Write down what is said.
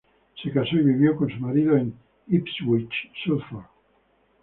Se casó y vivió con su marido en Ipswich, Suffolk.